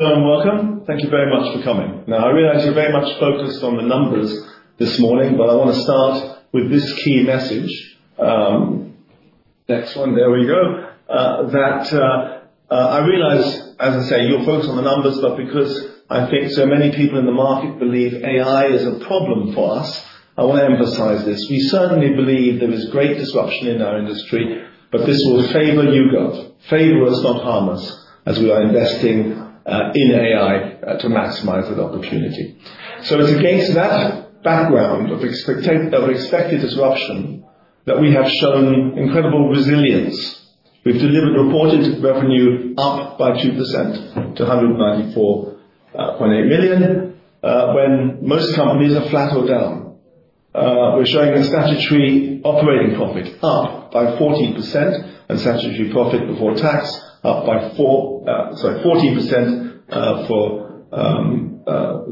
Welcome. Thank you very much for coming. Now, I realize you're very much focused on the numbers this morning, but I want to start with this key message. Next one. There we go. I realize, as I say, you'll focus on the numbers, but because I think so many people in the market believe AI is a problem for us, I want to emphasize this. We certainly believe there is great disruption in our industry, but this will favor YouGov, favor us, not harm us, as we are investing in AI, to maximize the opportunity. So it's against that background of expected disruption that we have shown incredible resilience. We've delivered reported revenue up by 2% to 194.8 million, when most companies are flat or down. We're showing a statutory operating profit up by 14% and statutory profit before tax up by 14% and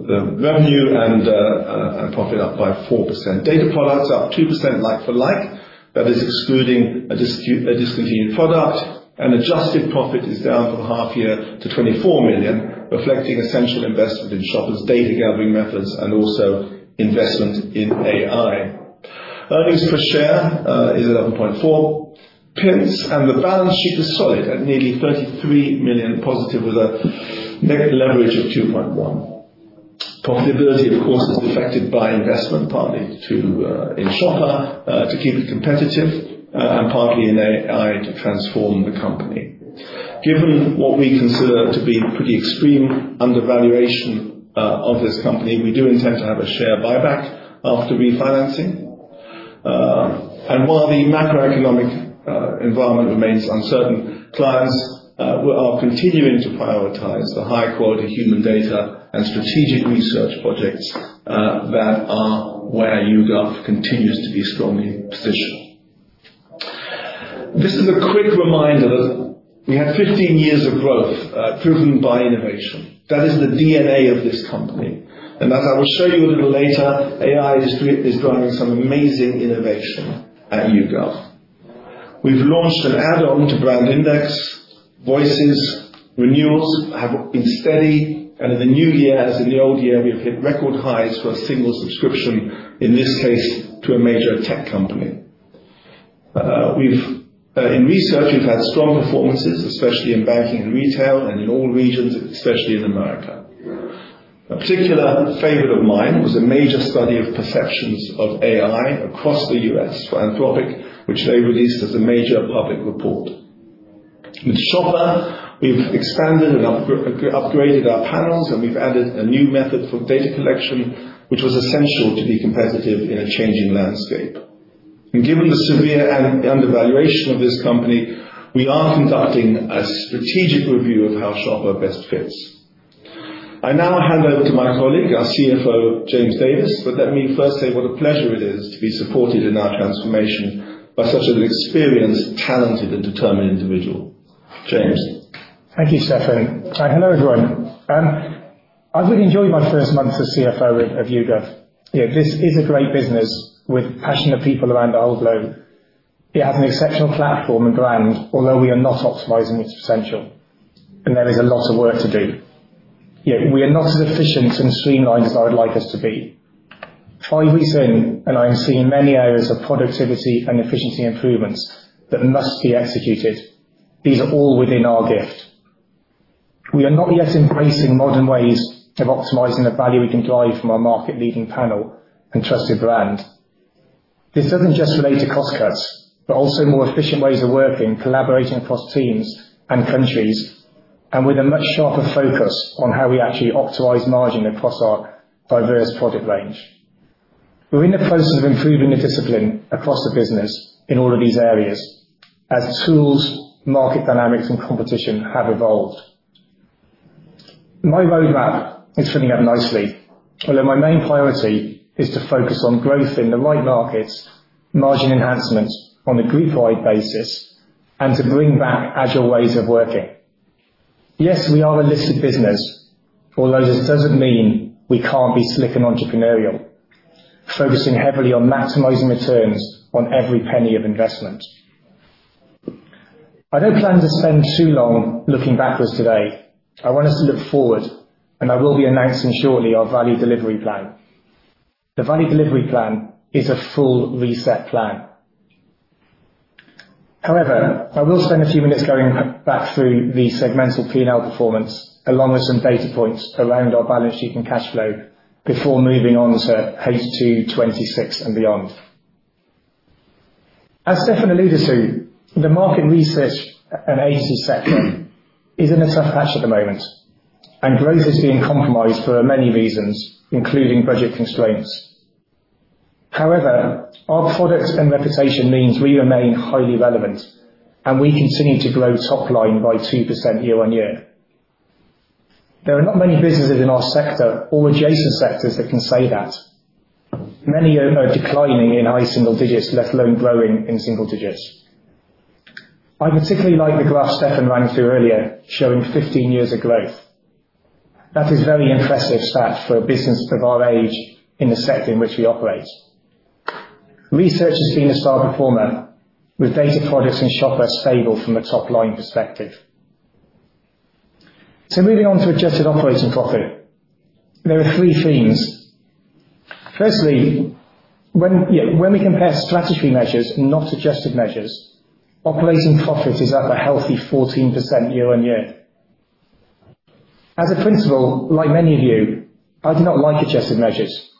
the revenue and profit up by 4%. Data Products up 2% like for like, that is excluding a discontinued product. Adjusted profit is down for half year to 24 million, reflecting essential investment in Shopper data gathering methods and also investment in AI. Earnings per share is 11.4 pence, and the balance sheet is solid at nearly 33 million positive with a net leverage of 2.1. Profitability, of course, is affected by investment, partly in Shopper to keep it competitive, and partly in AI to transform the company. Given what we consider to be pretty extreme undervaluation of this company, we do intend to have a share buyback after refinancing. While the macroeconomic environment remains uncertain, clients are continuing to prioritize the high quality human data and strategic research projects that are where YouGov continues to be strongly positioned. This is a quick reminder that we had 15 years of growth, proven by innovation. That is the DNA of this company. As I will show you a little later, AI is driving some amazing innovation at YouGov. We've launched an add-on to BrandIndex. Voices renewals have been steady. In the new year, as in the old year, we have hit record highs for a single subscription, in this case, to a major tech company. In research we've had strong performances, especially in banking and retail, and in all regions, especially in America. A particular favorite of mine was a major study of perceptions of AI across the U.S. for Anthropic, which they released as a major public report. With Shopper, we've expanded and upgraded our panels, and we've added a new method for data collection, which was essential to be competitive in a changing landscape. Given the severe undervaluation of this company, we are conducting a strategic review of how Shopper best fits. I now hand over to my colleague, our CFO, James Davies, but let me first say what a pleasure it is to be supported in our transformation by such an experienced, talented and determined individual. James. Thank you, Stephan. Hello, everyone. I've really enjoyed my first month as CFO of YouGov. This is a great business with passionate people around the whole globe. It has an exceptional platform and brand, although we are not optimizing its potential, and there is a lot of work to do. Yet we are not as efficient and streamlined as I would like us to be. Five weeks in and I'm seeing many areas of productivity and efficiency improvements that must be executed. These are all within our gift. We are not yet embracing modern ways of optimizing the value we can drive from our market-leading panel and trusted brand. This doesn't just relate to cost cuts, but also more efficient ways of working, collaborating across teams and countries, and with a much sharper focus on how we actually optimize margin across our diverse product range. We're in the process of improving the discipline across the business in all of these areas as tools, market dynamics and competition have evolved. My roadmap is filling up nicely, although my main priority is to focus on growth in the right markets, margin enhancements on a group-wide basis, and to bring back agile ways of working. Yes, we are a listed business, although this doesn't mean we can't be slick and entrepreneurial, focusing heavily on maximizing returns on every penny of investment. I don't plan to spend too long looking backwards today. I want us to look forward, and I will be announcing shortly our Value Delivery Plan. The Value Delivery Plan is a full reset plan. However, I will spend a few minutes going back through the segmental P&L performance, along with some data points around our balance sheet and cash flow before moving on to H2 2026 and beyond. As Stephan alluded to, the market research and agency sector is in a tough patch at the moment, and growth is being compromised for many reasons, including budget constraints. However, our products and reputation means we remain highly relevant and we continue to grow top line by 2% year-over-year. There are not many businesses in our sector or adjacent sectors that can say that. Many are declining in high single digits, let alone growing in single digits. I particularly like the graph Stephan ran through earlier showing 15 years of growth. That is a very impressive stat for a business of our age in the sector in which we operate. Research has been a star performer with Data Products and Shopper stable from a top-line perspective. Moving on to adjusted operating profit, there are three themes. Firstly, when we compare statutory measures, not adjusted measures, operating profit is up a healthy 14% year-on-year. As a principle, like many of you, I do not like adjusted measures.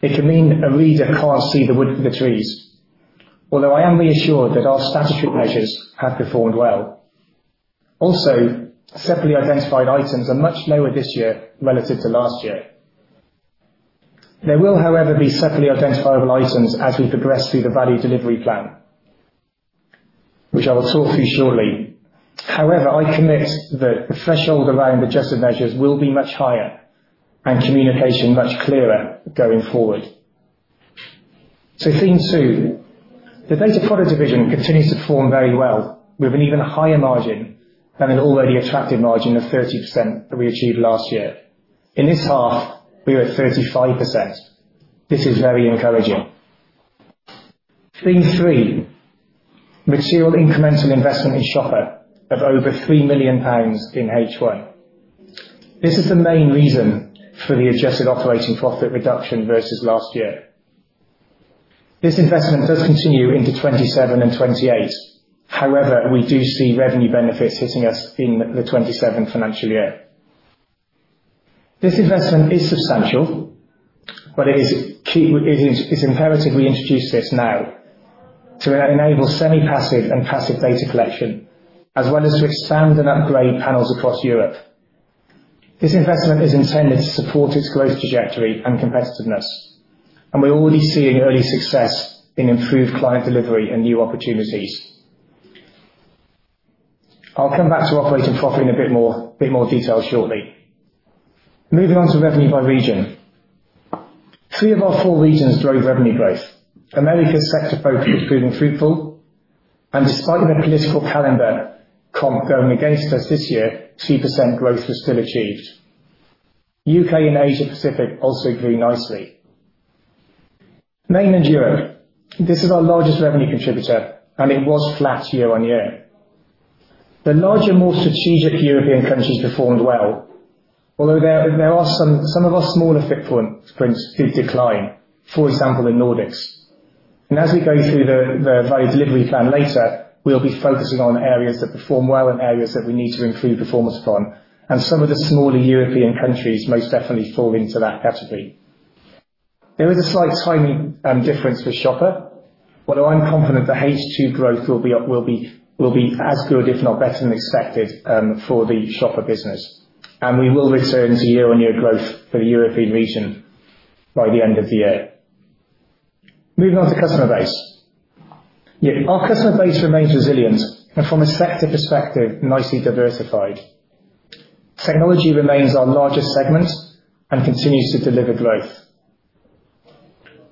It can mean a reader can't see the wood for the trees. Although I am reassured that our statutory measures have performed well. Also, separately identified items are much lower this year relative to last year. There will, however, be separately identifiable items as we progress through the Value Delivery Plan, which I will talk through shortly. However, I commit that the threshold around adjusted measures will be much higher and communication much clearer going forward. Theme two, the Data Products division continues to perform very well with an even higher margin than an already attractive margin of 30% that we achieved last year. In this half, we were at 35%. This is very encouraging. Theme three, material incremental investment in Shopper of over 3 million pounds in H1. This is the main reason for the adjusted operating profit reduction versus last year. This investment does continue into 2027 and 2028. However, we do see revenue benefits hitting us in the 2027 financial year. This investment is substantial, but it is imperative we introduce this now to enable semi-passive and passive data collection, as well as to expand and upgrade panels across Europe. This investment is intended to support its growth trajectory and competitiveness, and we are already seeing early success in improved client delivery and new opportunities. I'll come back to operating profit in a bit more detail shortly. Moving on to revenue by region. Three of our four regions drove revenue growth. Americas sector focus is proving fruitful, and despite the political calendar going against us this year, 2% growth was still achieved. UK and Asia-Pacific also grew nicely. Mainland Europe, this is our largest revenue contributor, and it was flat year on year. The larger, more strategic European countries performed well, although some of our smaller footprints did decline. For example, in Nordics. As we go through the Value Delivery Plan later, we'll be focusing on areas that perform well and areas that we need to improve performance on, and some of the smaller European countries most definitely fall into that category. There is a slight timing difference for shopper, although I'm confident that H2 growth will be as good, if not better than expected, for the shopper business, and we will return to year-on-year growth for the European region by the end of the year. Moving on to customer base. Our customer base remains resilient and from a sector perspective, nicely diversified. Technology remains our largest segment and continues to deliver growth.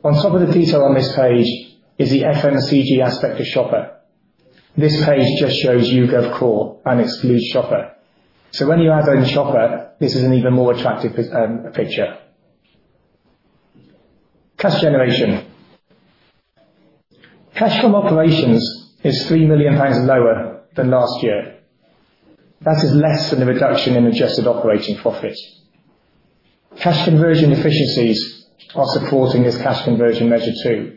On top of the detail on this page is the FMCG aspect of shopper. This page just shows YouGov core and excludes shopper. So when you add in shopper, this is an even more attractive picture. Cash generation. Cash from operations is 3 million pounds lower than last year. That is less than the reduction in adjusted operating profit. Cash conversion efficiencies are supporting this cash conversion measure too.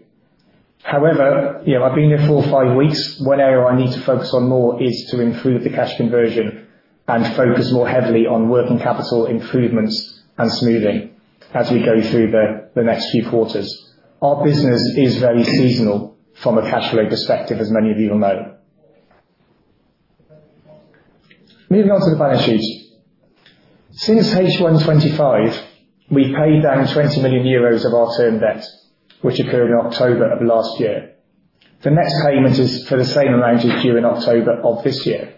However, I've been here four or five weeks. One area I need to focus on more is to improve the cash conversion and focus more heavily on working capital improvements and smoothing as we go through the next few quarters. Our business is very seasonal from a cash flow perspective, as many of you will know. Moving on to the balance sheet. Since H1 2025, we paid down 20 million euros of our term debt, which occurred in October of last year. The next payment is for the same amount, is due in October of this year.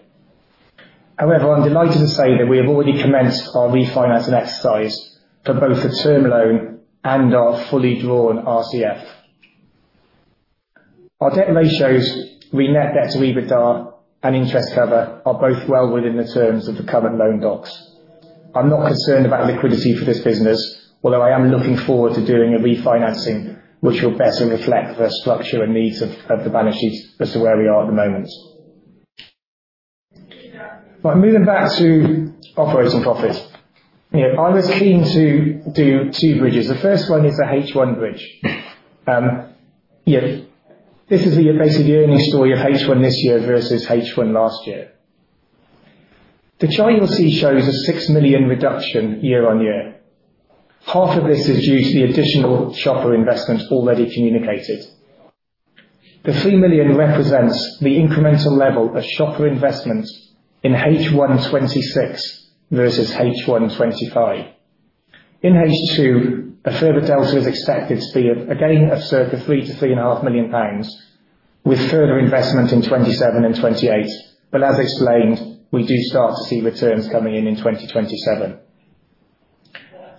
However, I'm delighted to say that we have already commenced our refinancing exercise for both the term loan and our fully drawn RCF. Our debt ratios, net debt to EBITDA and interest cover, are both well within the terms of the current loan docs. I'm not concerned about liquidity for this business, although I am looking forward to doing a refinancing which will better reflect the structure and needs of the balance sheet as to where we are at the moment. Right, moving back to operating profit. I was keen to do two bridges. The first one is the H1 bridge. This is basically the earning story of H1 this year versus H1 last year. The chart you see shows a 6 million reduction year-on-year. Half of this is due to the additional shopper investment already communicated. The 3 million represents the incremental level of shopper investment in H1 2026 versus H1 2025. In H2, a further delta is expected to be a gain of circa 3 million-3.5 million pounds, with further investment in 2027 and 2028. As explained, we do start to see returns coming in in 2027.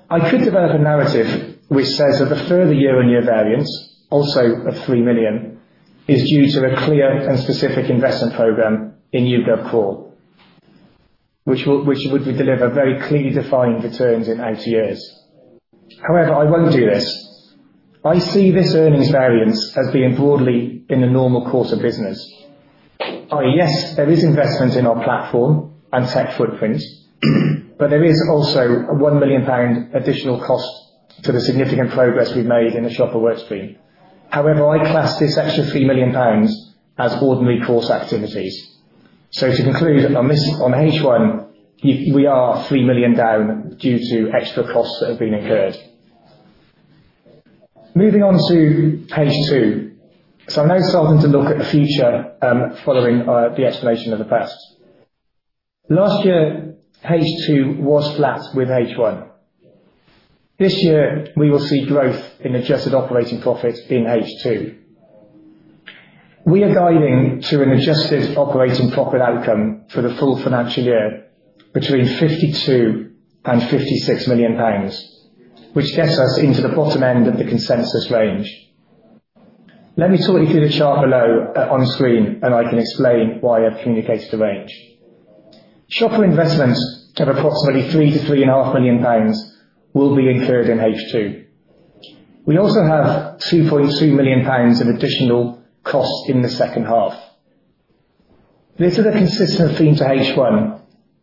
I could develop a narrative which says that the further year-on-year variance, also of 3 million, is due to a clear and specific investment program in YouGov core, which would deliver very clearly defined returns in eight years. However, I won't do this. I see this earnings variance as being broadly in the normal course of business. Yes, there is investment in our platform and tech footprints, but there is also a 1 million pound additional cost to the significant progress we've made in the shopper work stream. However, I class this extra 3 million pounds as ordinary course activities. To conclude on H1, we are 3 million down due to extra costs that have been incurred. Moving on to page 2. I know it's time to look at the future following the explanation of the past. Last year, page 2 was flat with H1. This year, we will see growth in adjusted operating profit in H2. We are guiding to an adjusted operating profit outcome for the full financial year between 52 million and 56 million pounds, which gets us into the bottom end of the consensus range. Let me talk you through the chart below on screen, and I can explain why I've communicated a range. Shopper investments of approximately 3 million-3.5 million pounds will be incurred in H2. We also have 2.2 million pounds of additional costs in the second half. This is a consistent theme to H1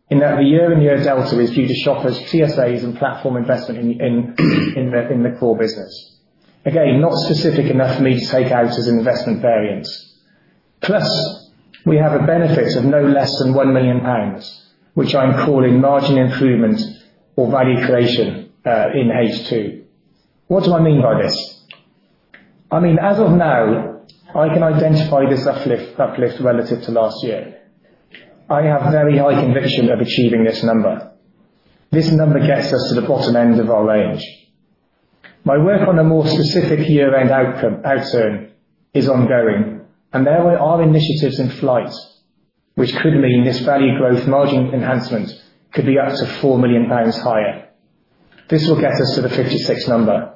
in that the year-on-year delta is due to shoppers, TSAs, and platform investment in the core business. Again, not specific enough for me to take out as investment variance. Plus, we have a benefit of no less than 1 million pounds, which I'm calling margin improvement or value creation in H2. What do I mean by this? I mean, as of now, I can identify this uplift relative to last year. I have very high conviction of achieving this number. This number gets us to the bottom end of our range. My work on a more specific year-end outcome outturn is ongoing, and there are initiatives in flight which could mean this value growth margin enhancement could be up to 4 million pounds higher. This will get us to the 56 number.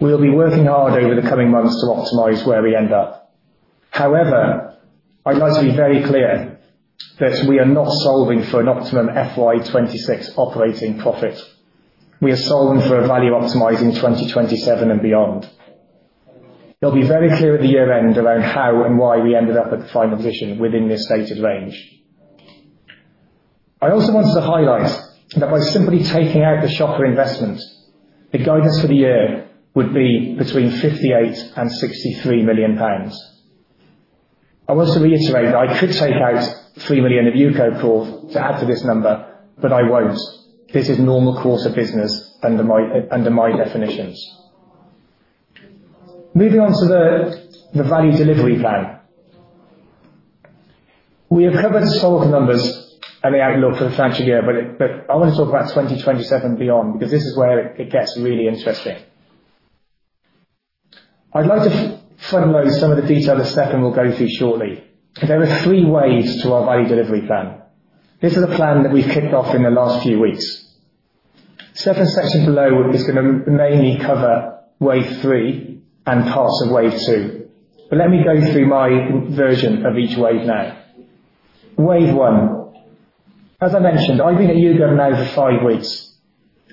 We will be working hard over the coming months to optimize where we end up. However, I'd like to be very clear that we are not solving for an optimum FY 2026 operating profit. We are solving for a value optimizing 2027 and beyond. It'll be very clear at the year end around how and why we ended up at the final position within this stated range. I also wanted to highlight that by simply taking out the shopper investment, the guidance for the year would be between 58 million and 63 million pounds. I want to reiterate that I could take out 3 million of YouGov core to add to this number, but I won't. This is normal course of business under my definitions. Moving on to the Value Delivery Plan. We have covered the scope of numbers and the outlook for the financial year, but I want to talk about 2027 beyond, because this is where it gets really interesting. I'd like to front-load some of the detail that Stephan will go through shortly. There are three waves to our Value Delivery Plan. This is a plan that we've kicked off in the last few weeks. Stephan's section below is going to mainly cover wave three and parts of wave two, but let me go through my version of each wave now. Wave 1. As I mentioned, I've been at YouGov now for five weeks,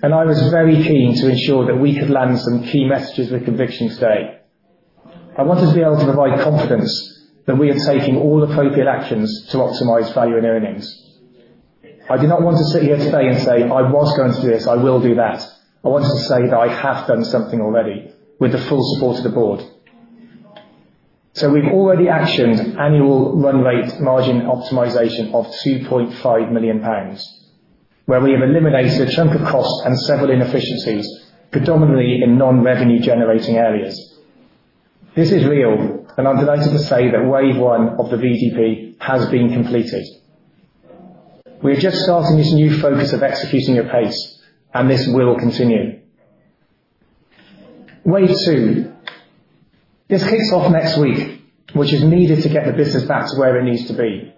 and I was very keen to ensure that we could land some key messages with conviction today. I wanted to be able to provide confidence that we are taking all appropriate actions to optimize value and earnings. I did not want to sit here today and say, "I was going to do this, I will do that." I wanted to say that I have done something already with the full support of the board. We've already actioned annual run rate margin optimization of 2.5 million pounds, where we have eliminated a chunk of cost and several inefficiencies, predominantly in non-revenue generating areas. This is real, and I'm delighted to say that wave one of the VDP has been completed. We are just starting this new focus of executing at pace, and this will continue. Wave 2. This kicks off next week, which is needed to get the business back to where it needs to be.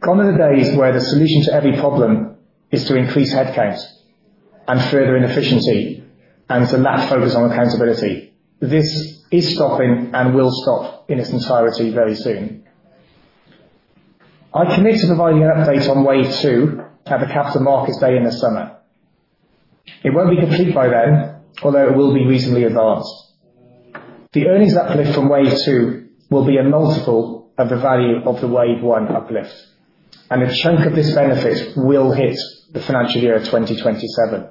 Gone are the days where the solution to every problem is to increase head count and further inefficiency, and to lack focus on accountability. This is stopping and will stop in its entirety very soon. I commit to providing an update on wave two at the Capital Markets Day in the summer. It won't be complete by then, although it will be reasonably advanced. The earnings uplift from wave two will be a multiple of the value of the wave one uplift, and a chunk of this benefit will hit the financial year 2027.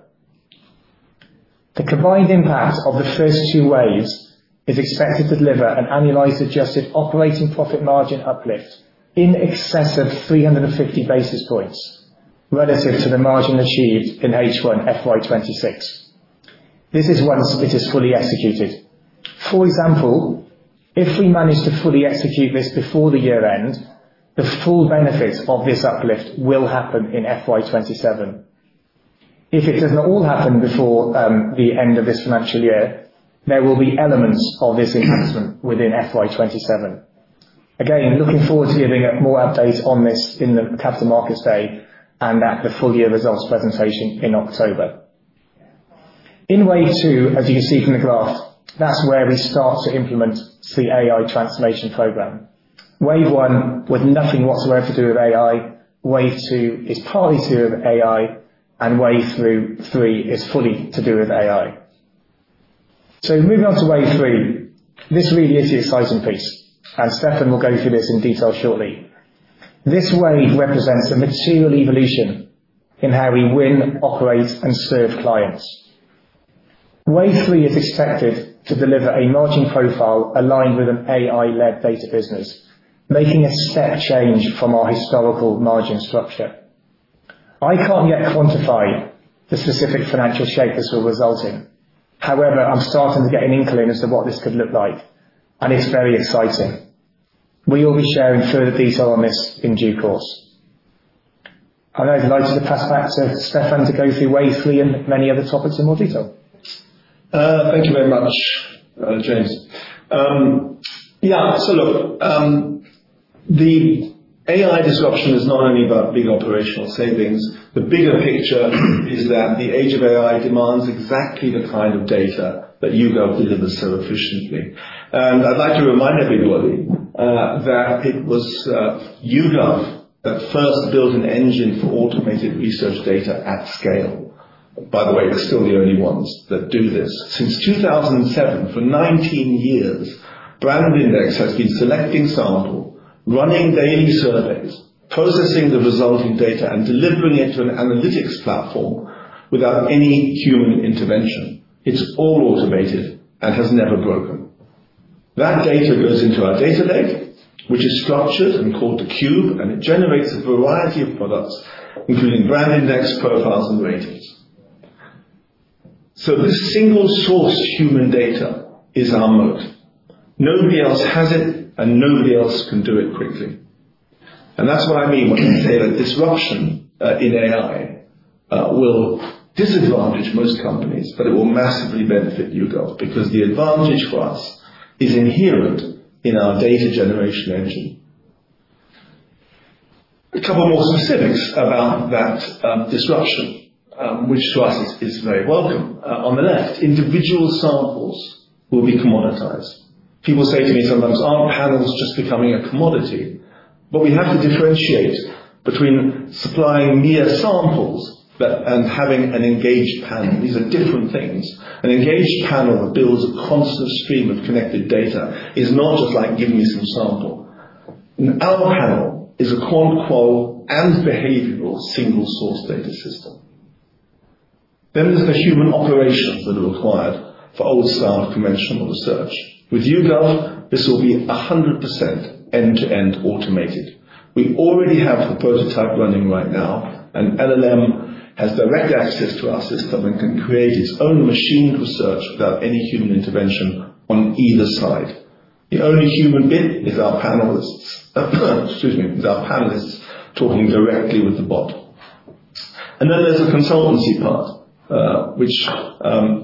The combined impact of the first two waves is expected to deliver an annualized adjusted operating profit margin uplift in excess of 350 basis points relative to the margin achieved in H1 2026. This is once it is fully executed. For example, if we manage to fully execute this before the year end, the full benefit of this uplift will happen in FY 2027. If it doesn't all happen before the end of this financial year, there will be elements of this enhancement within FY 2027. Again, looking forward to giving more updates on this in the Capital Markets Day and at the full-year results presentation in October. In wave two, as you can see from the graph, that's where we start to implement the AI transformation program. Wave one was nothing whatsoever to do with AI, wave two is partly to do with AI, and wave three is fully to do with AI. Moving on to wave three, this really is the exciting piece, and Stephan will go through this in detail shortly. This wave represents a material evolution in how we win, operate, and serve clients. Wave three is expected to deliver a margin profile aligned with an AI-led data business, making a step change from our historical margin structure. I can't yet quantify the specific financial shape this will result in. However, I'm starting to get an inkling as to what this could look like, and it's very exciting. We will be sharing further detail on this in due course. I'd now like to pass back to Stephan to go through wave three and many other topics in more detail. Thank you very much, James. Yeah. Look, the AI disruption is not only about big operational savings. The bigger picture is that the age of AI demands exactly the kind of data that YouGov delivers so efficiently. I'd like to remind everybody that it was YouGov that first built an engine for automated research data at scale. By the way, we're still the only ones that do this. Since 2007, for 19 years, BrandIndex has been selecting sample, running daily surveys, processing the resulting data, and delivering it to an analytics platform without any human intervention. It's all automated and has never broken. That data goes into our data lake, which is structured and called the Cube, and it generates a variety of products, including BrandIndex Profiles and Ratings. This single source human data is our moat. Nobody else has it, and nobody else can do it quickly. That's what I mean when I say that disruption in AI will disadvantage most companies, but it will massively benefit YouGov, because the advantage for us is inherent in our data generation engine. A couple more specifics about that disruption, which to us is very welcome. On the left, individual samples will be commoditized. People say to me sometimes, "Aren't panels just becoming a commodity?" We have to differentiate between supplying mere samples and having an engaged panel. These are different things. An engaged panel that builds a constant stream of connected data is not just like, "Give me some sample." Our panel is a qual-qual and behavioral single-source data system. Then there's the human operations that are required for old style conventional research. With YouGov, this will be 100% end-to-end automated. We already have the prototype running right now, and LLM has direct access to our system and can create its own machine research without any human intervention on either side. The only human bit is our panelists. Excuse me, it's our panelists talking directly with the bot. There's the consultancy part, which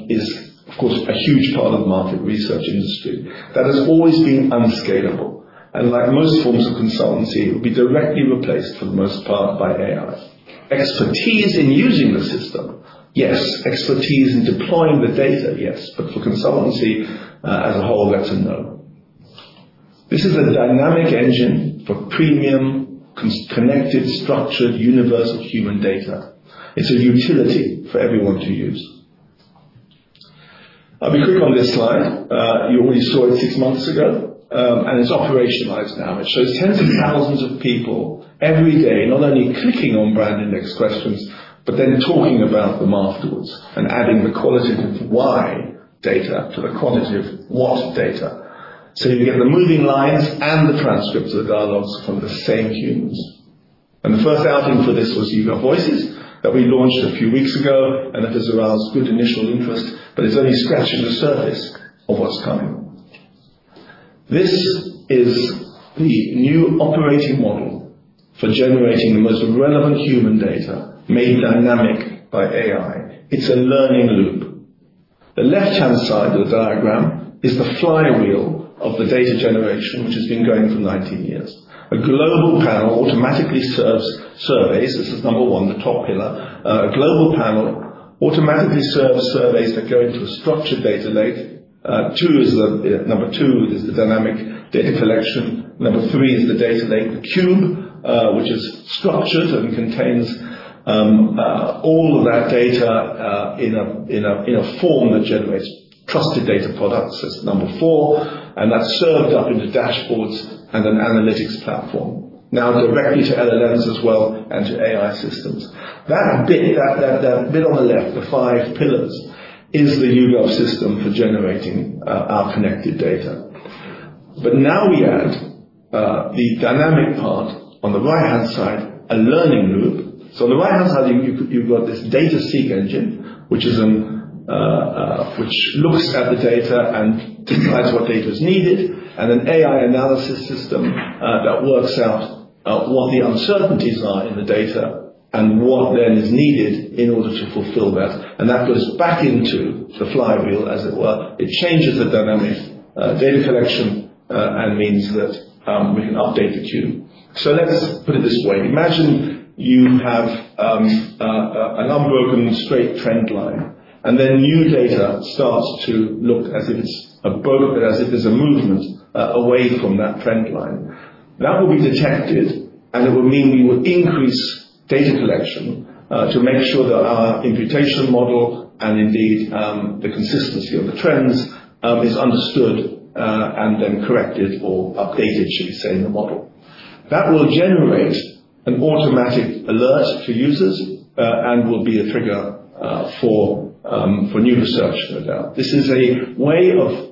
is, of course, a huge part of the market research industry that has always been unscalable, and like most forms of consultancy, it will be directly replaced for the most part by AI. Expertise in using the system, yes. Expertise in deploying the data, yes. But for consultancy as a whole, that's a no. This is a dynamic engine for premium, connected, structured, universal human data. It's a utility for everyone to use. I'll be quick on this slide. You already saw it six months ago, and it's operationalized now, and it shows tens of thousands of people every day, not only clicking on BrandIndex questions, but then talking about them afterwards and adding the qualitative why data to the quantitative what data. You can get the moving lines and the transcripts of dialogues from the same humans. The first outing for this was YouGov Voices that we launched a few weeks ago, and it has aroused good initial interest, but it's only scratching the surface of what's coming. This is the new operating model for generating the most relevant human data made dynamic by AI. It's a learning loop. The left-hand side of the diagram is the flywheel of the data generation, which has been going for 19 years. A global panel automatically serves surveys. This is number one, the top pillar. A global panel automatically serves surveys that go into a structured data lake. Number two is the dynamic data collection. Number three is the data lake, the Cube, which is structured and contains all of that data in a form that generates trusted data products. That's number four, and that's served up into dashboards and an analytics platform. Now directly to LLMs as well and to AI systems. That bit on the left, the five pillars, is the YouGov system for generating our connected data. Now we add the dynamic part on the right-hand side, a learning loop. On the right-hand side, you've got this data-seek engine, which looks at the data and decides what data is needed, and an AI analysis system that works out what the uncertainties are in the data and what then is needed in order to fulfill that. That goes back into the flywheel, as it were. It changes the dynamic data collection, and means that we can update the queue. Let's put it this way. Imagine you have an unbroken straight trend line, and then new data starts to look as if it's a movement away from that trend line. That will be detected, and it will mean we would increase data collection to make sure that our imputation model and indeed, the consistency of the trends, is understood, and then corrected or updated, should we say, in the model. That will generate an automatic alert to users, and will be a trigger for new research, no doubt. This is a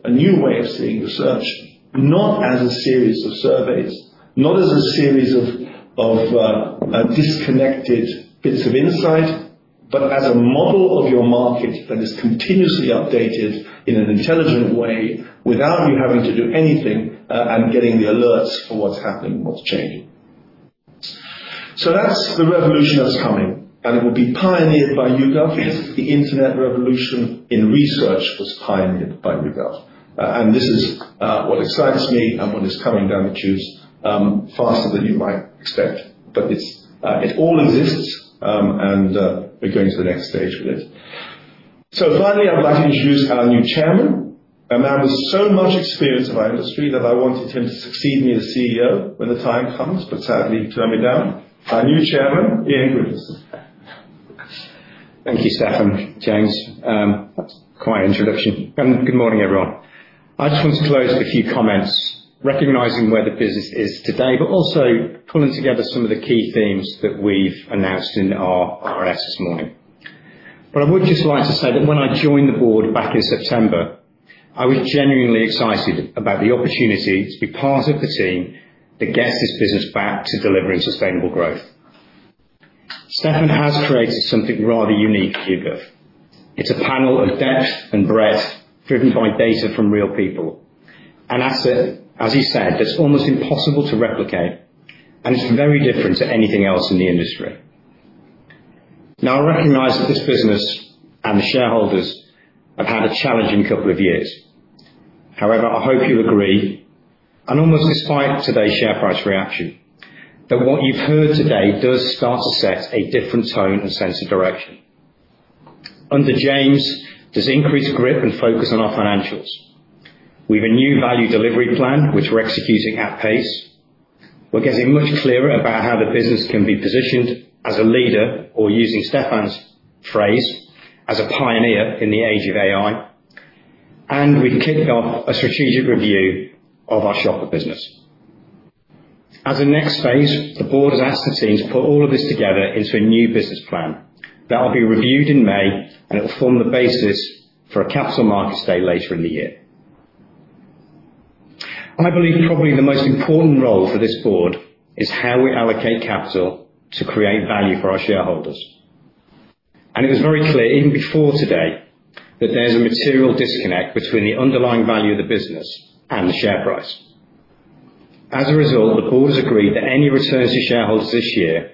new way of seeing research, not as a series of surveys, not as a series of disconnected bits of insight, but as a model of your market that is continuously updated in an intelligent way without you having to do anything, and getting the alerts for what's happening and what's changing. That's the revolution that's coming, and it will be pioneered by YouGov as the internet revolution in research was pioneered by YouGov. This is what excites me and what is coming down the tubes faster than you might expect. It all exists, and we're going to the next stage with it. Finally, I would like to introduce our new chairman, a man with so much experience in our industry that I wanted him to succeed me as CEO when the time comes, but sadly, he turned me down. Our new Chairman, Ian Griffiths. Thank you, Stephan, James. That's quite an introduction. Good morning, everyone. I just want to close with a few comments recognizing where the business is today, but also pulling together some of the key themes that we've announced in our RNS this morning. I would just like to say that when I joined the board back in September, I was genuinely excited about the opportunity to be part of the team that gets this business back to delivering sustainable growth. Stephan has created something rather unique at YouGov. It's a panel of depth and breadth driven by data from real people. An asset, as he said, that's almost impossible to replicate, and it's very different to anything else in the industry. Now, I recognize that this business and the shareholders have had a challenging couple of years. However, I hope you agree, and almost despite today's share price reaction, that what you've heard today does start to set a different tone and sense of direction. Under James, there's increased grip and focus on our financials. We have a new Value Delivery Plan, which we're executing at pace. We're getting much clearer about how the business can be positioned as a leader or using Stephan's phrase, as a pioneer in the age of AI. We've kicked off a strategic review of our shopper business. As a next phase, the board has asked the team to put all of this together into a new business plan that will be reviewed in May, and it will form the basis for a Capital Markets Day later in the year. I believe probably the most important role for this board is how we allocate capital to create value for our shareholders. It was very clear, even before today, that there's a material disconnect between the underlying value of the business and the share price. As a result, the board has agreed that any returns to shareholders this year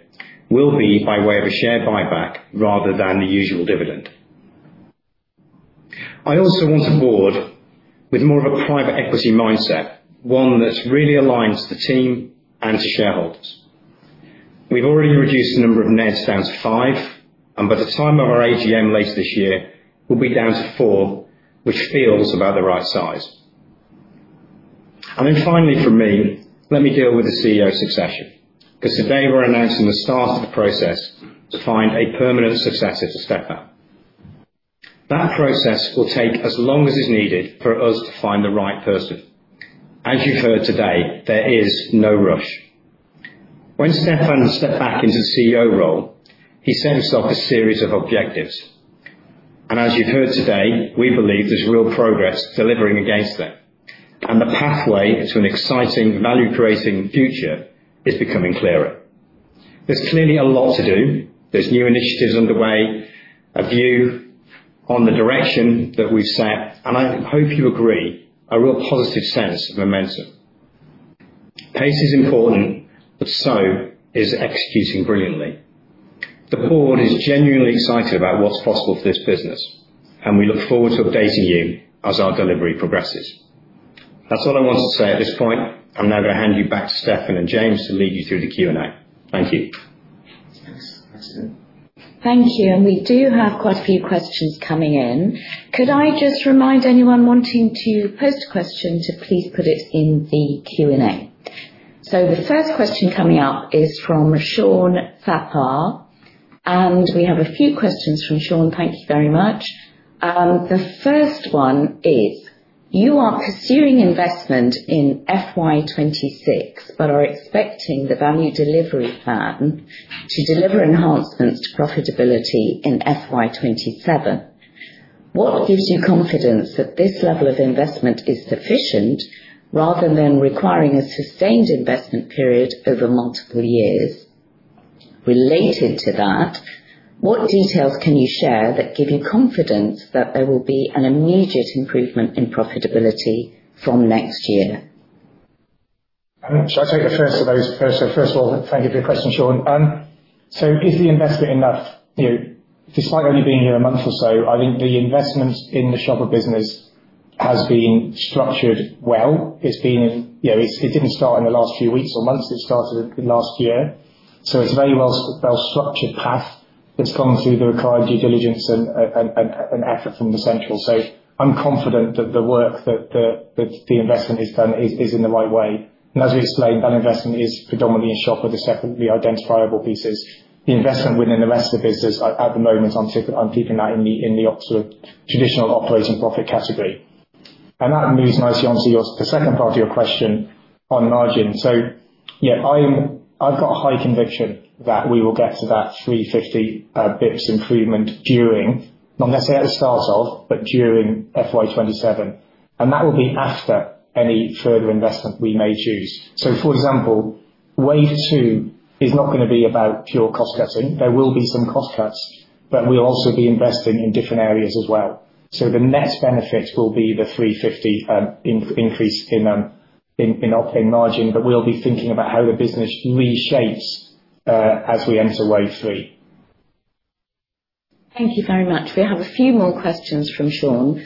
will be by way of a share buyback rather than the usual dividend. I also want a board with more of a private equity mindset, one that's really aligned to the team and to shareholders. We've already reduced the number of NEDs down to five, and by the time of our AGM later this year, we'll be down to four, which feels about the right size. Then finally from me, let me deal with the CEO succession, because today we're announcing the start of the process to find a permanent successor to Stephan. That process will take as long as is needed for us to find the right person. As you've heard today, there is no rush. When Stephan stepped back into the CEO role, he set himself a series of objectives. As you've heard today, we believe there's real progress delivering against them. The pathway to an exciting value-creating future is becoming clearer. There's clearly a lot to do. There's new initiatives underway, a view on the direction that we've set, and I hope you agree, a real positive sense of momentum. Pace is important, but so is executing brilliantly. The board is genuinely excited about what's possible for this business, and we look forward to updating you as our delivery progresses. That's all I wanted to say at this point. I'm now going to hand you back to Stephan and James to lead you through the Q&A. Thank you. Thanks. Thank you. We do have quite a few questions coming in. Could I just remind anyone wanting to post a question to please put it in the Q&A? The first question coming up is from Sean Thapar, and we have a few questions from Sean. Thank you very much. The first one is, "You are pursuing investment in FY 2026, but are expecting the Value Delivery Plan to deliver enhancements to profitability in FY 2027. What gives you confidence that this level of investment is sufficient rather than requiring a sustained investment period over multiple years? Related to that, what details can you share that give you confidence that there will be an immediate improvement in profitability from next year? Should I take the first of those first? First of all, thank you for your question, Sean. Is the investment enough? Despite only being here a month or so, I think the investment in the Shopper business has been structured well. It didn't start in the last few weeks or months, it started last year. It's a very well-structured path. It's gone through the required due diligence and effort from the central. I'm confident that the work, that the investment is done is in the right way. As we explained, that investment is predominantly in Shopper, the separately identifiable pieces. The investment within the rest of business at the moment, I'm keeping that in the traditional operating profit category. That moves nicely onto the second part of your question on margin. Yeah, I've got high conviction that we will get to that 350 BPS improvement during, not necessarily at the start of, but during FY 2027, and that will be after any further investment we may choose. For example, wave two is not gonna be about pure cost-cutting. There will be some cost cuts, but we'll also be investing in different areas as well. The net benefit will be the 350 increase in operating margin. We'll be thinking about how the business reshapes as we enter wave three. Thank you very much. We have a few more questions from Sean.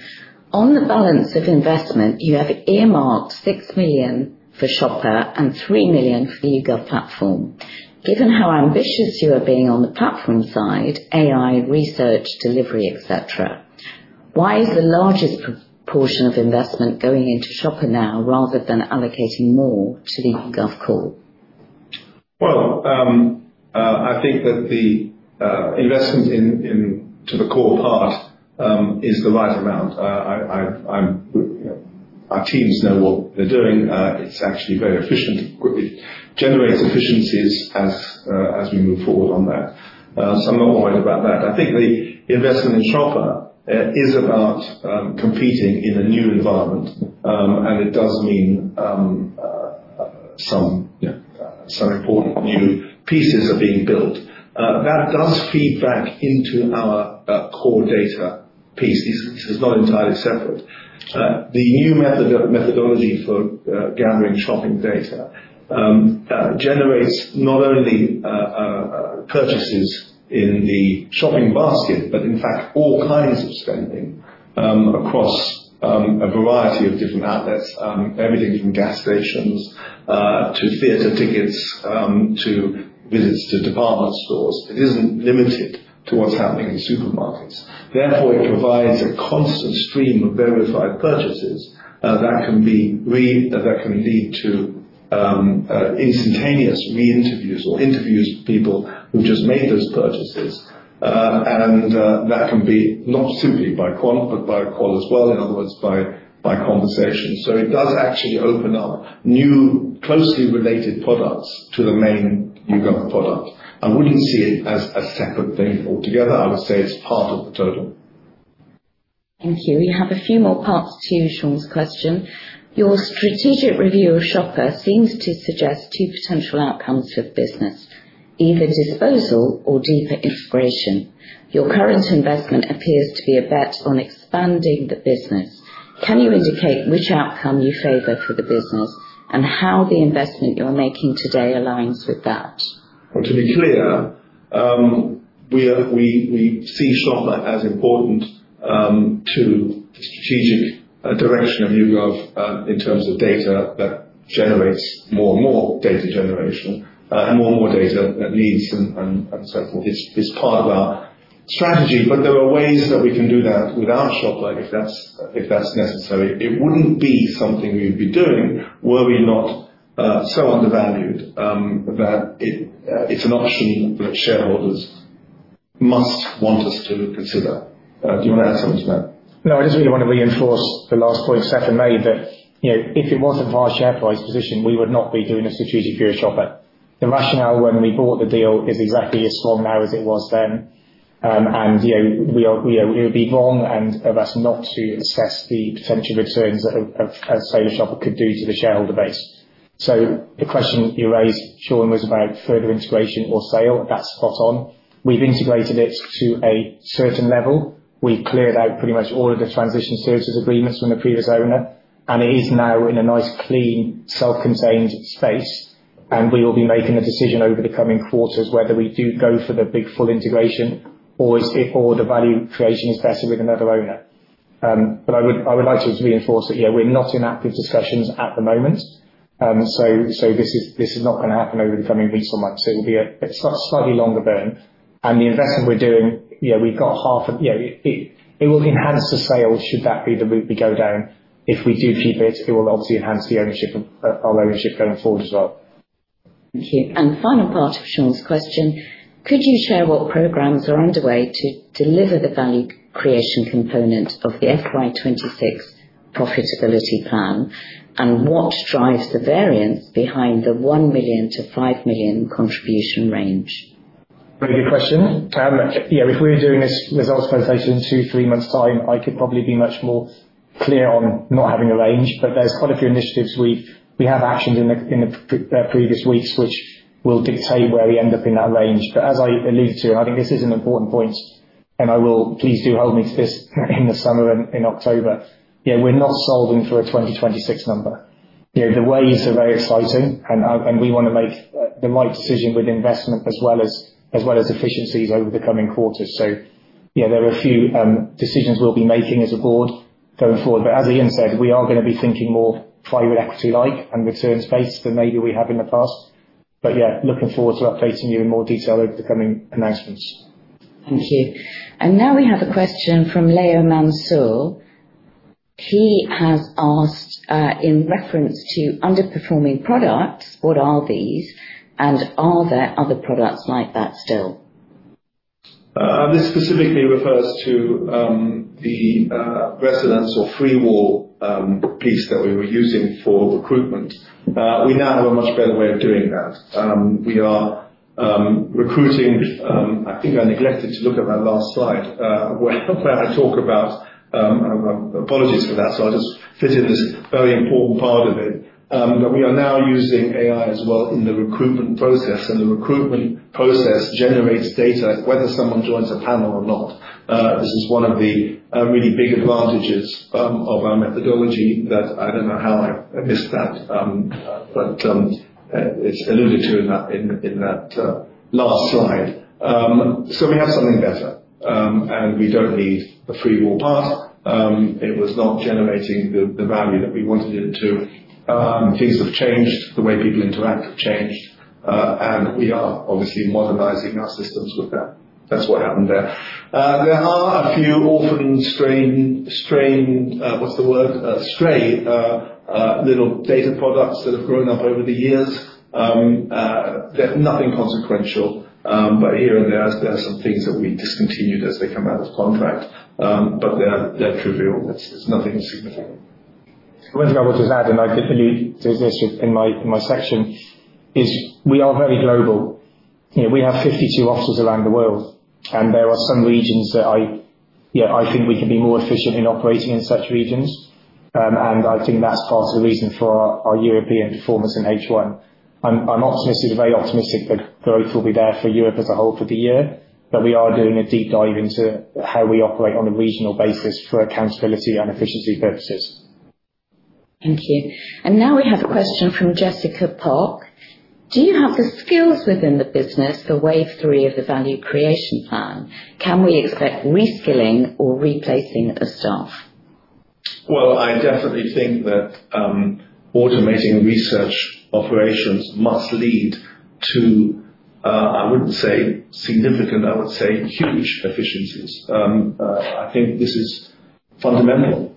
On the balance of investment, you have earmarked 6 million for Shopper and 3 million for the YouGov platform. Given how ambitious you are being on the platform side, AI, research, delivery, et cetera, why is the largest proportion of investment going into Shopper now rather than allocating more to the YouGov core? Well, I think that the investment into the core part is the right amount. Our teams know what they're doing. It's actually very efficient. It generates efficiencies as we move forward on that. I'm not worried about that. I think the investment in shopper is about competing in a new environment, and it does mean some important new pieces are being built. That does feed back into our core data pieces. This is not entirely separate. The new method of methodology for gathering shopping data generates not only purchases in the shopping basket, but in fact, all kinds of spending across a variety of different outlets, everything from gas stations to theater tickets to visits to department stores. It isn't limited to what's happening in supermarkets. Therefore, it provides a constant stream of verified purchases that can lead to instantaneous re-interviews or interviews with people who've just made those purchases. That can be not simply by quant, but by qual as well, in other words, by conversation. It does actually open up new, closely related products to the main YouGov product. I wouldn't see it as a separate thing altogether. I would say it's part of the total. Thank you. We have a few more parts to Sean's question. Your strategic review of Shopper seems to suggest two potential outcomes for the business, either disposal or deeper integration. Your current investment appears to be a bet on expanding the business. Can you indicate which outcome you favor for the business, and how the investment you're making today aligns with that? Well, to be clear, we see Shopper as important to the strategic direction of YouGov in terms of data that generates more and more data generation and more and more data that leads and so forth. It's part of our strategy, but there are ways that we can do that without Shopper if that's necessary. It wouldn't be something we would be doing were we not so undervalued that it's an option that shareholders must want us to consider. Do you want to add something to that? No, I just really want to reinforce the last point Stephan made that if it wasn't for our share price position, we would not be doing a strategic review of shopper. The rationale when we bought the deal is exactly as strong now as it was then. It would be wrong of us not to assess the potential returns of a sale of shopper could do to the shareholder base. The question that you raised, Sean, was about further integration or sale. That's spot on. We've integrated it to a certain level. We've cleared out pretty much all of the transition services agreements from the previous owner, and it is now in a nice, clean, self-contained space. We will be making a decision over the coming quarters whether we do go for the big full integration or if all the value creation is better with another owner. I would like to reinforce that, yeah, we're not in active discussions at the moment. This is not gonna happen over the coming weeks or months. It will be a slightly longer burn. The investment we're doing, we've got half of it. It will enhance the sale, should that be the route we go down. If we do keep it will obviously enhance our ownership going forward as well. Thank you. Final part of Sean's question, could you share what programs are underway to deliver the value creation component of the FY 2026 profitability plan? What drives the variance behind the 1 million-5 million contribution range? Very good question. If we were doing this results presentation in two, three months' time, I could probably be much more clear on not having a range. There's quite a few initiatives we have actioned in the previous weeks which will dictate where we end up in that range. As I alluded to, I think this is an important point, and I will, please do hold me to this in the summer and in October. We're not solving for a 2026 number. The waves are very exciting, and we want to make the right decision with investment as well as efficiencies over the coming quarters. There are a few decisions we'll be making as a board going forward. As Ian said, we are going to be thinking more private equity-like and returns-based than maybe we have in the past. Yeah, looking forward to updating you in more detail over the coming announcements. Thank you. Now we have a question from Leo Mansour. He has asked, in reference to underperforming products, what are these, and are there other products like that still? This specifically refers to the residence or FreeWall piece that we were using for recruitment. We now have a much better way of doing that. We are recruiting. I think I neglected to look at that last slide where I talk about. Apologies for that. I'll just fit in this very important part of it. We are now using AI as well in the recruitment process, and the recruitment process generates data, whether someone joins a panel or not. This is one of the really big advantages of our methodology that I don't know how I missed that. It's alluded to in that last slide. We have something better. We don't need a firewall pass. It was not generating the value that we wanted it to. Things have changed. The way people interact have changed. We are obviously modernizing our systems with that. That's what happened there. There are a few stray little Data Products that have grown up over the years. They're nothing consequential. Here and there are some things that we discontinued as they come out of contract. They're trivial. It's nothing significant. One thing I would just add, and I did allude to this in my section, is we are very global. We have 52 offices around the world, and there are some regions that I think we can be more efficient in operating in such regions. I think that's part of the reason for our European performance in H1. I'm very optimistic that growth will be there for Europe as a whole for the year, but we are doing a deep dive into how we operate on a regional basis for accountability and efficiency purposes. Thank you. Now we have a question from Jessica Pok. Do you have the skills within the business for wave three of the Value Delivery Plan? Can we expect reskilling or replacing of staff? Well, I definitely think that automating research operations must lead to, I wouldn't say significant, I would say huge efficiencies. I think this is fundamental.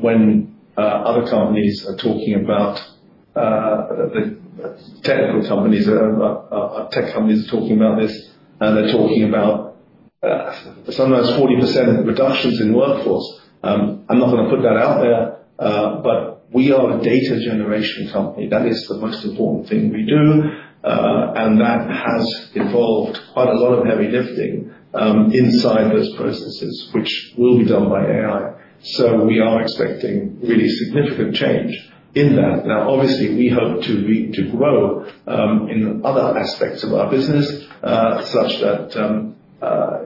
When tech companies are talking about this, and they're talking about sometimes 40% reductions in workforce. I'm not going to put that out there, but we are a data generation company. That is the most important thing we do, and that has involved quite a lot of heavy lifting inside those processes, which will be done by AI. We are expecting really significant change in that. Now, obviously, we hope to grow in other aspects of our business, such that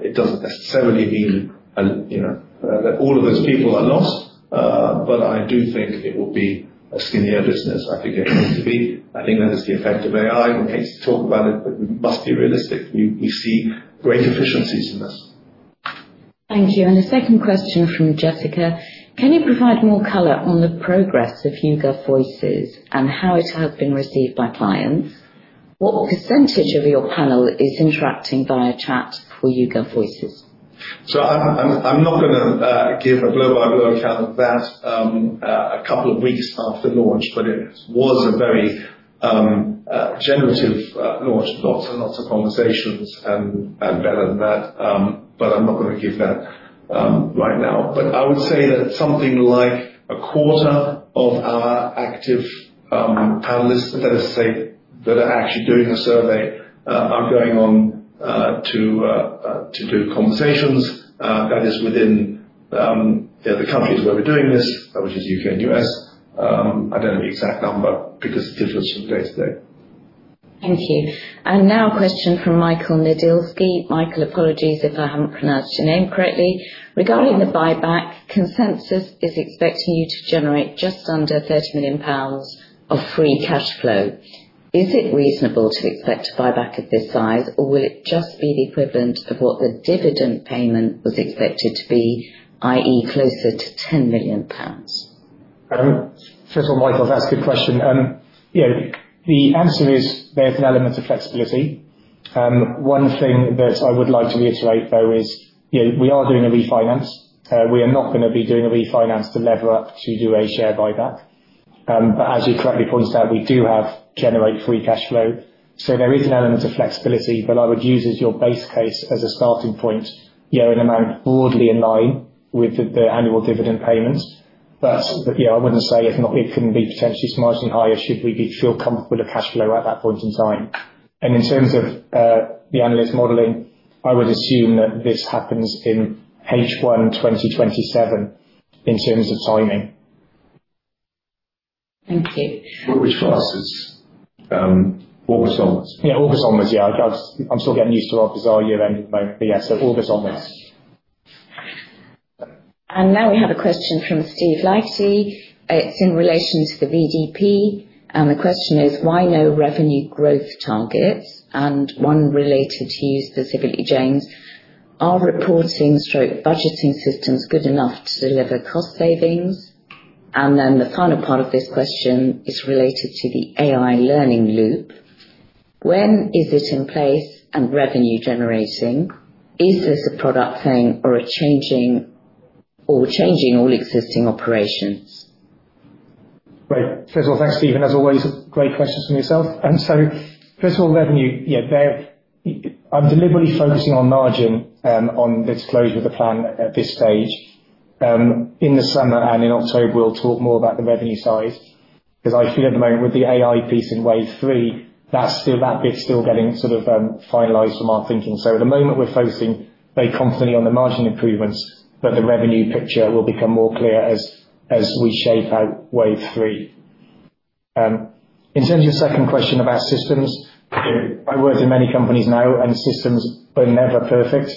it doesn't necessarily mean that all of those people are lost. I do think it will be a skinnier business. I think it has to be. I think that is the effect of AI. Katie's talked about it, but we must be realistic. We see great efficiencies in this. Thank you. A second question from Jessica. Can you provide more color on the progress of YouGov Voices and how it has been received by clients? What percentage of your panel is interacting via chat for YouGov Voices? I'm not gonna give a blow-by-blow account of that a couple of weeks after launch, but it was a very generative launch, lots and lots of conversations and better than that. I'm not going to give that right now. I would say that something like a quarter of our active panelists, let us say, that are actually doing a survey, are going on to do conversations. That is within the countries where we're doing this, which is the U.K. and U.S. I don't know the exact number because it differs from day to day. Thank you. Now a question from Michael Nidilsky. Michael, apologies if I haven't pronounced your name correctly. Regarding the buyback, consensus is expecting you to generate just under 30 million pounds of free cash flow. Is it reasonable to expect a buyback of this size, or will it just be the equivalent of what the dividend payment was expected to be, i.e., closer to 10 million pounds? First of all, Michael, that's a good question. The answer is there's an element of flexibility. One thing that I would like to reiterate, though, is we are doing a refinance. We are not going to be doing a refinance to lever up to do a share buyback. But as you correctly pointed out, we do generate free cash flow. So there is an element of flexibility. But I would use as your base case as a starting point, an amount broadly in line with the annual dividend payments. But yeah, I wouldn't say it couldn't be potentially marginally higher should we feel comfortable with cash flow at that point in time. In terms of the analyst modeling, I would assume that this happens in H1 2027 in terms of timing. Thank you. Which finances? August onwards? Yeah. August onwards. Yeah. I'm still getting used to our fiscal year end at the moment. Yeah, August onwards. Now we have a question from Steve Hatch. It's in relation to the VDP, and the question is, "Why no revenue growth targets?" One related to you specifically, James, "Are reporting/budgeting systems good enough to deliver cost savings?" The final part of this question is related to the AI learning loop. "When is it in place and revenue generating? Is this a product thing or changing all existing operations? Right. First of all, thanks, Steven, as always, great questions from yourself. First of all, revenue, yeah, I'm deliberately focusing on margin and on disclosure of the plan at this stage. In the summer and in October, we'll talk more about the revenue side because I feel at the moment with the AI piece in wave three, that bit's still getting finalized from our thinking. At the moment we're focusing very confidently on the margin improvements, but the revenue picture will become more clear as we shape out wave three. In terms of your second question about systems, I worked in many companies now and systems were never perfect.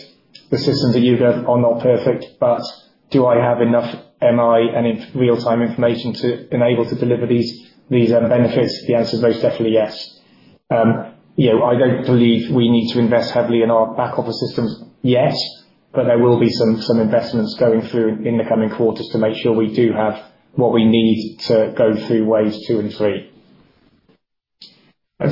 The systems at YouGov are not perfect, but do I have enough MI and real time information to enable to deliver these benefits? The answer is most definitely yes. I don't believe we need to invest heavily in our back office systems yet, but there will be some investments going through in the coming quarters to make sure we do have what we need to go through waves two and three.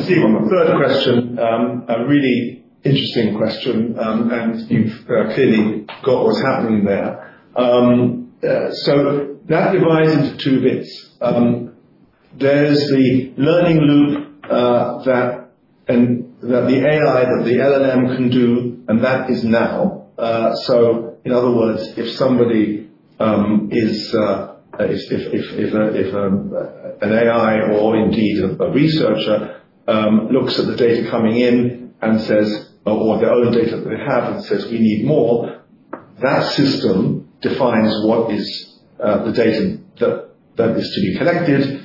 Steve, on the third question, a really interesting question, and you've clearly got what's happening there. That divides into two bits. There's the learning loop that the AI, that the LLM can do, and that is now. In other words, if an AI or indeed a researcher looks at the data coming in or their own data that they have and says, "We need more," that system defines what is the data that is to be collected.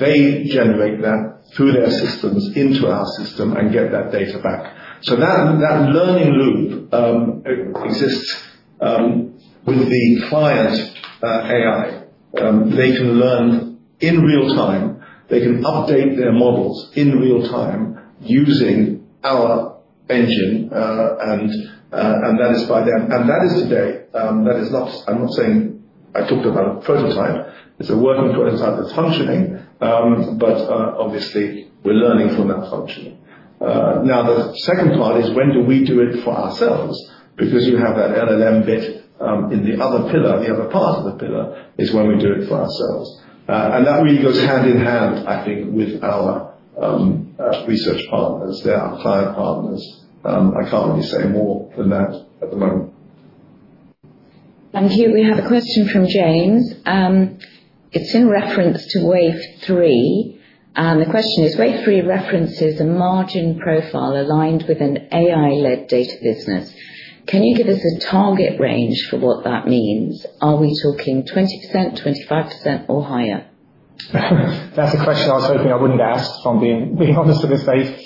They generate that through their systems into our system and get that data back. That learning loop exists with the client AI. They can learn in real time, they can update their models in real time using our engine. That is today. I'm not saying I talked about a prototype. It's a working prototype that's functioning. Obviously we're learning from that functioning. Now, the second part is when do we do it for ourselves? Because you have that LLM bit in the other pillar, the other part of the pillar is when we do it for ourselves. That really goes hand in hand, I think, with our research partners there, our client partners. I can't really say more than that at the moment. Here we have a question from James. It's in reference to wave 3. The question is, "Wave references a margin profile aligned with an AI-led data business. Can you give us a target range for what that means? Are we talking 20%, 25% or higher? That's a question I was hoping I wouldn't be asked, if I'm being honest with you, Steve.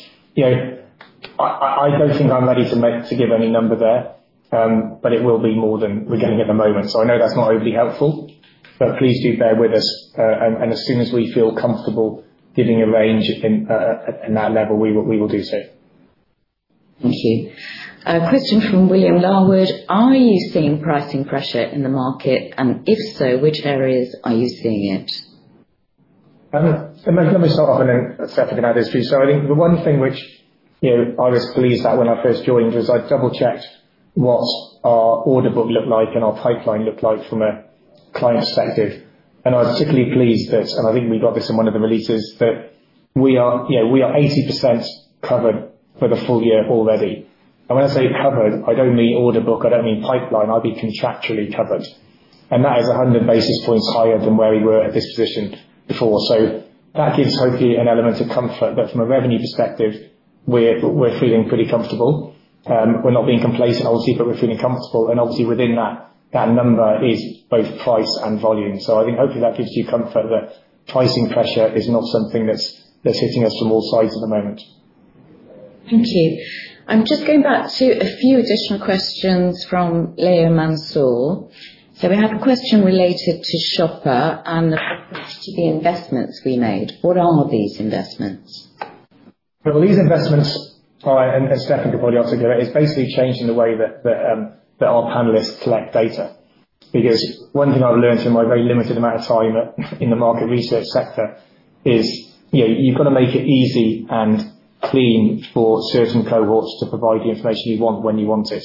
I don't think I'm ready to give any number there, but it will be more than we're getting at the moment. I know that's not overly helpful, but please do bear with us. As soon as we feel comfortable giving a range in that level, we will do so. Thank you. A question from William Larwood. "Are you seeing pricing pressure in the market, and if so, which areas are you seeing it? Let me start off and then Stephan can add his view. I think the one thing which I was pleased at when I first joined was I double-checked what our order book looked like and our pipeline looked like from a client perspective. I was particularly pleased that, and I think we got this in one of the releases, that we are 80% covered for the full year already. When I say covered, I don't mean order book, I don't mean pipeline. I mean contractually covered. That is 100 basis points higher than where we were at this position before. That gives, hopefully, an element of comfort that from a revenue perspective, we're feeling pretty comfortable. We're not being complacent obviously, but we're feeling comfortable and obviously within that number is both price and volume. I think hopefully that gives you comfort that pricing pressure is not something that's hitting us from all sides at the moment. Thank you. I'm just going back to a few additional questions from Leo Mansour. We had a question related to Shopper and the investments we made. What are these investments? Well, these investments are, and Stephan can probably also give it, is basically changing the way that our panelists collect data. Because one thing I've learned in my very limited amount of time in the market research sector is you've got to make it easy and clean for certain cohorts to provide the information you want when you want it.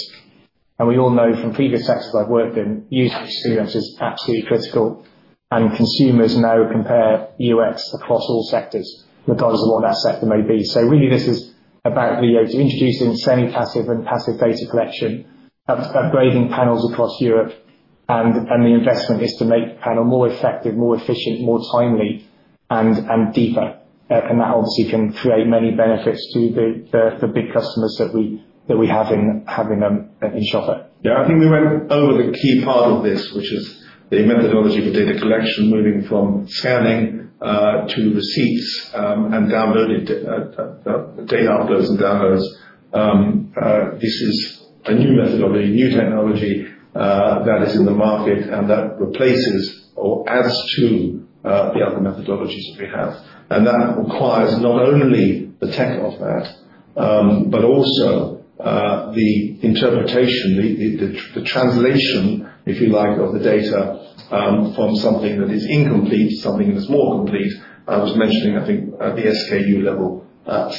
We all know from previous sectors I've worked in, user experience is absolutely critical. Consumers now compare UX across all sectors, regardless of what that sector may be. Really this is about being able to introduce semi-passive and passive data collection, upgrading panels across Europe, and the investment is to make the panel more effective, more efficient, more timely and deeper. That obviously can create many benefits to the big customers that we have in Shopper. Yeah, I think we went over the key part of this, which is the methodology for data collection, moving from scanning to receipts and data uploads and downloads. This is a new methodology, new technology that is in the market and that replaces or adds to the other methodologies that we have. That requires not only the tech of that but also the interpretation, the translation, if you like, of the data from something that is incomplete, something that's more complete. I was mentioning, I think at the SKU level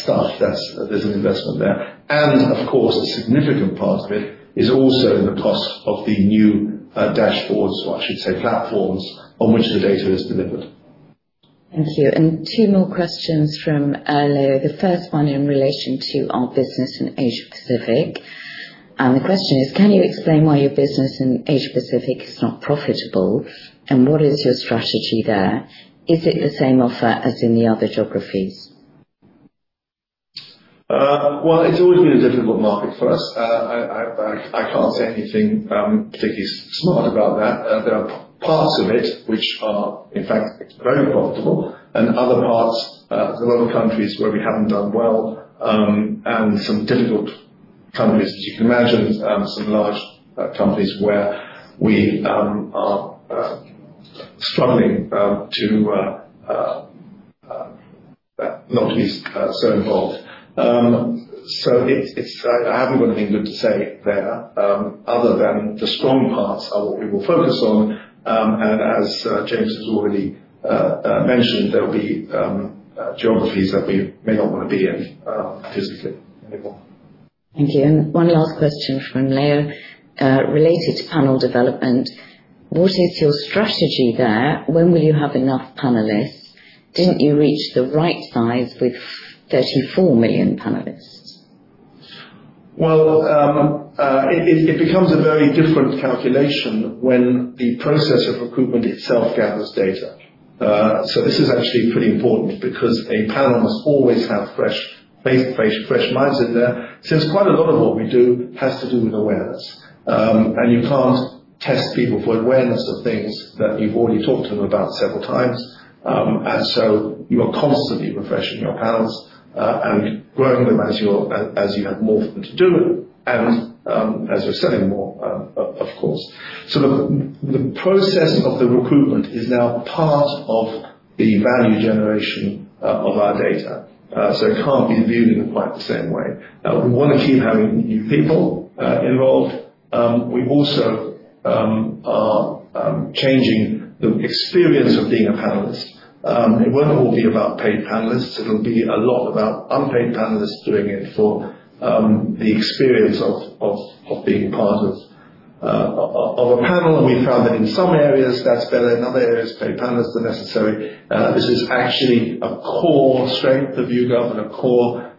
stuff, there's an investment there. Of course, a significant part of it is also in the cost of the new dashboards, or I should say, platforms on which the data is delivered. Thank you. Two more questions from Leo. The first one in relation to our business in Asia-Pacific. The question is, "Can you explain why your business in Asia-Pacific is not profitable, and what is your strategy there? Is it the same offer as in the other geographies? Well, it's always been a difficult market for us. I can't say anything particularly smart about that. There are parts of it which are, in fact, very profitable and other parts, there are other countries where we haven't done well, and some difficult countries, as you can imagine, some large companies where we are struggling to, not least, so involved. I haven't got anything good to say there other than the strong parts are what we will focus on, and as James has already mentioned, there'll be geographies that we may not want to be in physically anymore. Thank you. One last question from Leo related to panel development. "What is your strategy there? When will you have enough panelists? Didn't you reach the right size with 34 million panelists? Well, it becomes a very different calculation when the process of recruitment itself gathers data. This is actually pretty important because a panel must always have fresh minds in there, since quite a lot of what we do has to do with awareness. You can't test people for awareness of things that you've already talked to them about several times. You are constantly refreshing your panels and growing them as you have more for them to do and as we're selling more, of course. The process of the recruitment is now part of the value generation of our data. It can't be viewed in quite the same way. We want to keep having new people involved. We also are changing the experience of being a panelist. It won't all be about paid panelists. It'll be a lot about unpaid panelists doing it for the experience of being part of a panel, and we found that in some areas that's better, in other areas, paid panelists are necessary. This is actually a core strength of YouGov, and a core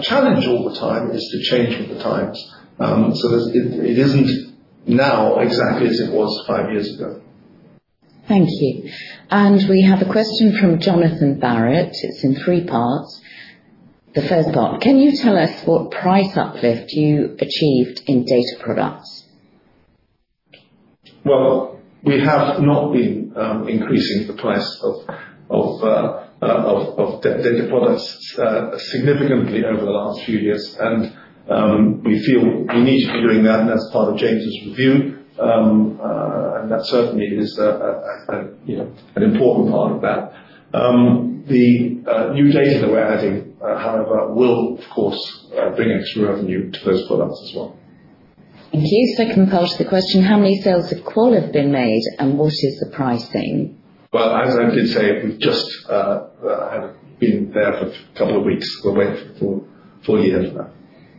challenge all the time is to change with the times. It isn't now exactly as it was five years ago. Thank you. We have a question from Jonathan Barrett. It's in three parts. The first part, "Can you tell us what price uplift you achieved in Data Products? Well, we have not been increasing the price of Data Products significantly over the last few years. We feel we need to be doing that, and that's part of James' review. That certainly is an important part of that. The new data that we're adding, however, will of course bring extra revenue to those products as well. Thank you. Second part of the question, "How many sales of Qual have been made, and what is the pricing? Well, as I did say, we've just been there for a couple of weeks. We wait for four years for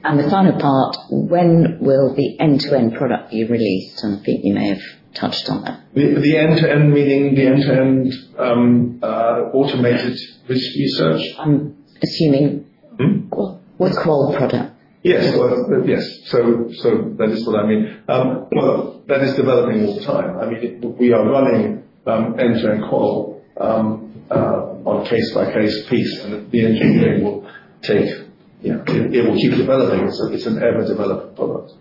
that. The final part, "When will the end-to-end product be released?" I think you may have touched on that. The end-to-end, meaning the end-to-end automated risk research? I'm assuming. Hmm? With Qual product. Yes. That is what I mean. Well, that is developing all the time. I mean, we are running end-to-end Qual on a case-by-case basis, and the engineering will take. It will keep developing. It's an ever-developing product.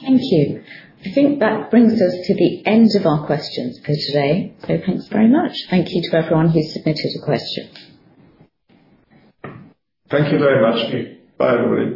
Thank you. I think that brings us to the end of our questions for today. Thanks very much. Thank you to everyone who submitted a question. Thank you very much. Bye, everybody.